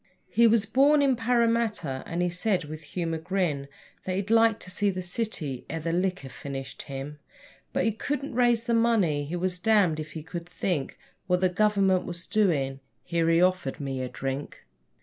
He was born in Parramatta, and he said, with humour grim, That he'd like to see the city ere the liquor finished him, But he couldn't raise the money. He was damned if he could think What the Government was doing. Here he offered me a drink.